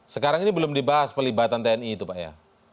sekarang ini belum dibahas pelibatan tni itu pak ya